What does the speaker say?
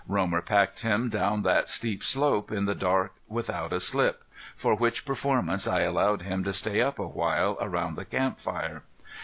Romer packed him down that steep slope in the dark without a slip, for which performance I allowed him to stay up a while around the camp fire.